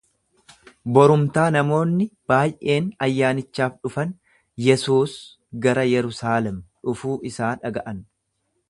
Borumtaa namoonni baay’een ayyaanichaaf dhufan Yesuus gara Yerusaalem dhufuu isaa dhaga’an.